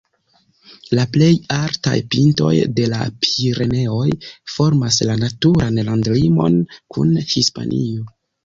La plej altaj pintoj de la Pireneoj formas la naturan landlimon kun Hispanio.